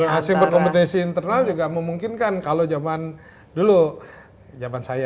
hasil berkompetisi internal juga memungkinkan kalau zaman dulu zaman saya